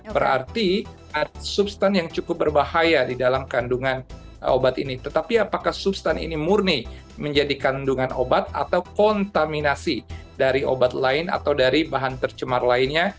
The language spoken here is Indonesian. berarti ada substan yang cukup berbahaya di dalam kandungan obat ini tetapi apakah substan ini murni menjadi kandungan obat atau kontaminasi dari obat lain atau dari bahan tercemar lainnya